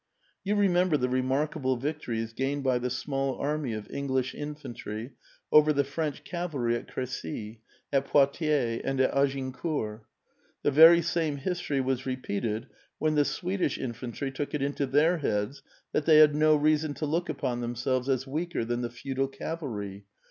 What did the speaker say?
You remember the remarkable victories gained by the small army of English iilfantry over the French cavalry at Cressy, at Poictiers, and at Agincourt. Tlie very same history was repeated when the Swedish infantry took it into their heads that they had no reason to look u[)on themselves as weaker than the feudal cavalry.